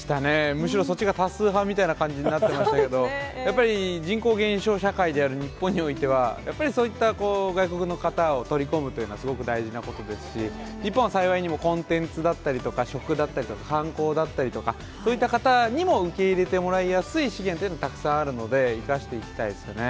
むしろそっちが多数派みたいな感じになってましたけど、やっぱり人口減少社会である日本においては、やっぱりそういった外国の方を取り込むというのは、すごく大事なことですし、日本は幸いにもコンテンツだったりとか、食だったりとか、観光だったりとか、そういった方にも受け入れてもらいやすい資源っていうのがたくさんあるので、生かしていきたいですね。